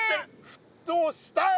沸騰したよ！